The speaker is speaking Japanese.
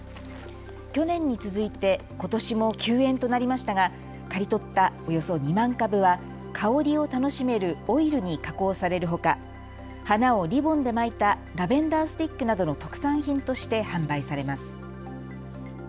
去年に続いて、ことしも休園となりましたが刈り取ったおよそ２万株は香りを楽しめるオイルに加工されるほか花をリボンで巻いたラベンダースティックなどの特産品として販売されます。